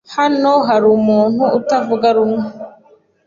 Hano hari umuntu utavuga rumwe?